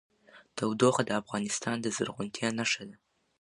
تودوخه د افغانستان د زرغونتیا نښه ده.